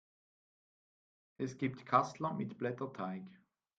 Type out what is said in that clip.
Es gibt Kassler mit Blätterteig.